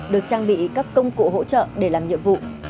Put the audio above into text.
được trang bị các công cụ hỗ trợ để làm nhiệm vụ